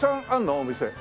お店。